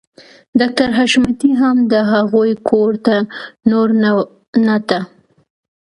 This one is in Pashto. ډاکټر حشمتي هم د هغوی کور ته نور نه ته